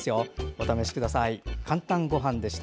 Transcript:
お試しください。